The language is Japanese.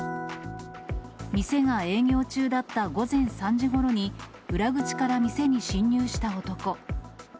店が営業中だった午前３時ごろに、裏口から店に侵入した男。